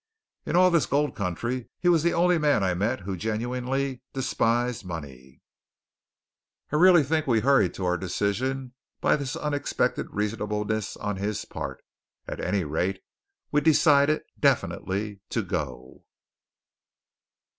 In all this gold country he was the only man I met who genuinely despised money. I really think we were hurried to our decision by this unexpected reasonableness on his part. At any rate we decided definitely to go.